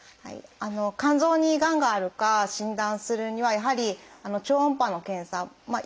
肝臓にがんがあるか診断するにはやはり超音波の検査。